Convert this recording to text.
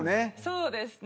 そうですね。